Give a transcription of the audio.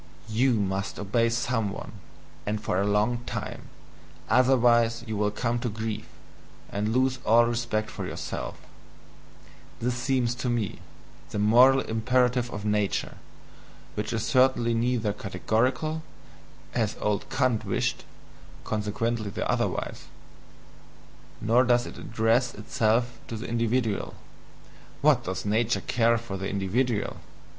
"Thou must obey some one, and for a long time; OTHERWISE thou wilt come to grief, and lose all respect for thyself" this seems to me to be the moral imperative of nature, which is certainly neither "categorical," as old Kant wished (consequently the "otherwise"), nor does it address itself to the individual (what does nature care for the individual!)